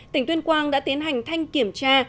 tỉnh tuyên quang đã tiến hành thanh kiểm tra